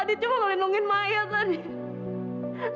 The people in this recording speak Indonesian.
adit cuma melindungi maya adit